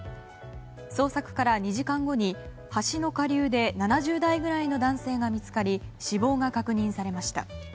捜索から２時間後に橋の下流で７０代ぐらいの男性が見つかり死亡が確認されました。